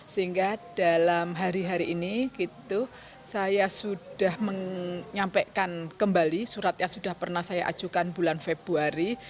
sehingga dalam hari hari ini saya sudah menyampaikan kembali surat yang sudah pernah saya ajukan bulan februari